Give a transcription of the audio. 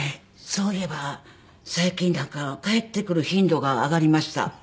そういえば最近なんか帰ってくる頻度が上がりました。